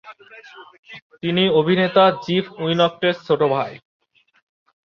তিনি অভিনেতা জেফ উইনকটের ছোট ভাই।